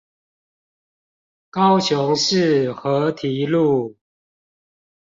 高雄市河堤路